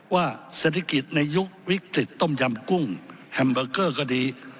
ว่าเศรษฐกิจในยุควิกฤตต้มยำกุ้งแฮมเบอร์เกอร์ก็ดี